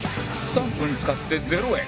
３分使ってゼロ円